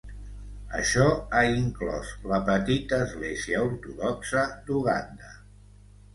Això ha inclòs la petita Església Ortodoxa d'Uganda.